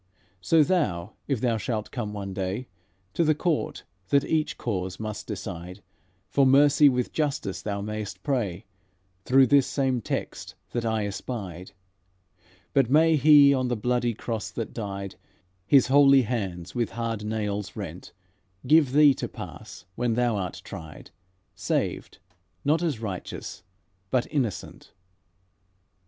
So thou, if thou shalt come one day To the court that each cause must decide, For mercy with justice thou may'st pray Through this same text that I espied. But may He on the bloody cross that died, His holy hands with hard nails rent, Give thee to pass when thou art tried, Saved, not as righteous, but innocent."